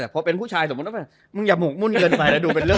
เพราะเป็นผู้ชายมึงอย่ามุกมุ่นเกินไป